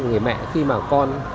người mẹ khi mà con